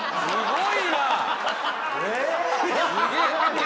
すごいな。